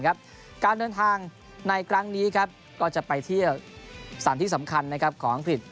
การเดินทางในครั้งนี้ก็จะไปเที่ยวสถานที่สำคัญของอังกฤษ